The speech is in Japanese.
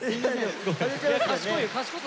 賢い。